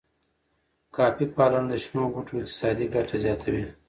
کافی پالنه د شنو بوټو اقتصادي ګټه زیاتوي.